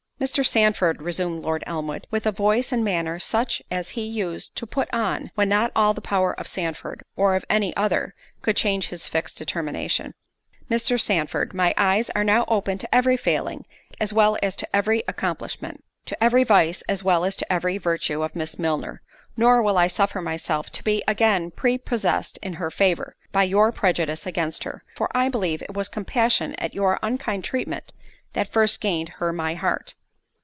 "Mr. Sandford," resumed Lord Elmwood, with a voice and manner such as he used to put on when not all the power of Sandford, or of any other, could change his fixed determination, "Mr. Sandford, my eyes are now open to every failing, as well as to every accomplishment; to every vice, as well as to every virtue of Miss Milner; nor will I suffer myself to be again prepossessed in her favour, by your prejudice against her—for I believe it was compassion at your unkind treatment, that first gained her my heart."